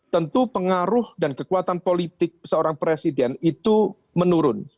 tentu pengaruh dan kekuatan politik seorang presiden itu menurun